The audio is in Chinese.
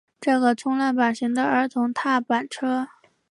这个是冲浪板型的儿童踏板车。